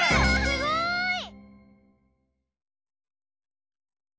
すごい！